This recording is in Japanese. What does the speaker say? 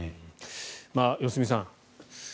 良純さん